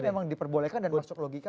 memang diperbolehkan dan masuk logika